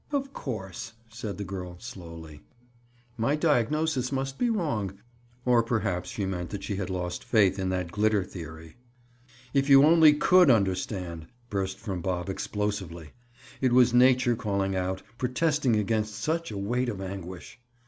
"Of course," said the girl slowly, "my diagnosis must be wrong." Or perhaps she meant that she had lost faith in that glitter theory. "If you only could understand!" burst from Bob explosively. It was nature calling out, protesting against such a weight of anguish.